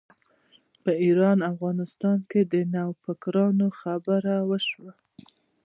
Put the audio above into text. په ایران او افغانستان کې د نوفکرانو خبره وشوه.